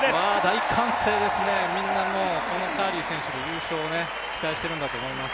大歓声ですね、みんなこのカーリー選手の優勝を期待しているんだと思います。